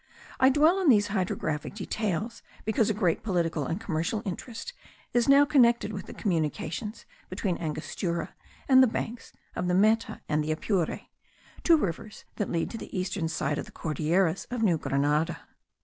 I dwell on these hydrographic details because a great political and commercial interest is now connected with the communications between Angostura and the banks of the Meta and the Apure, two rivers that lead to the eastern side of the Cordilleras of New Grenada.